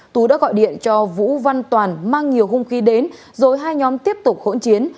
tú đã gọi điện cho vũ văn toàn mang nhiều hung khí đến rồi hai nhóm tiếp tục hỗn chiến